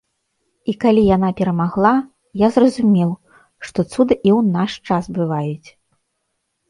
І калі яна перамагла, я зразумеў, што цуды і ў наш час бываюць.